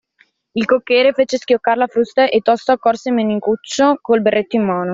Il cocchiere fece schioccar la frusta e tosto accorse Menicuccio, col berretto in mano.